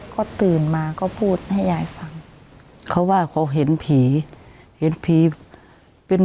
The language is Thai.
ก็ตื่นมาก็พูดให้ยายฟังเขาว่าเขาเห็นผีเห็นผีเป็น